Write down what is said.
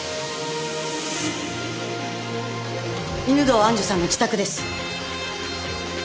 犬堂愛珠さんの自宅です。